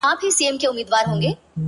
پر دغه لار که مي قدم کښېښود پاچا به سم _